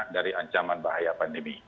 dari ancaman bahaya pandemi